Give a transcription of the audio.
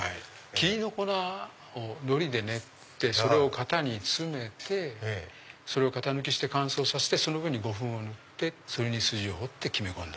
桐の粉をのりで練ってそれを型に詰めてそれをかたぬきして乾燥させてその上に胡粉を塗ってそれに筋を彫って木目込んだ。